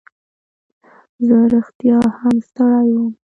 زه رښتیا هم ستړی وم.